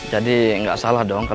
jadi gak salah dong